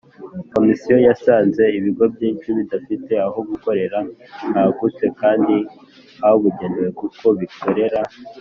Komisiyo yasanze ibigo byinshi bidafite aho gukorera hagutse kandi habugenewe kuko bikorera